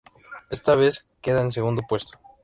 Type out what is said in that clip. Esta vez queda en segundo puesto.